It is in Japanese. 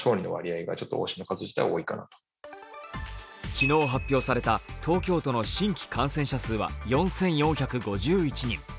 昨日発表された東京都の新規感染者数は４４５１人。